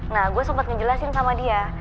nah gua sempet ngejelasin sama dia